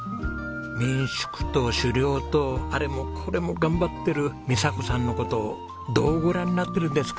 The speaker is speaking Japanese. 民宿と狩猟とあれもこれも頑張ってる美佐子さんの事をどうご覧になってるんですか？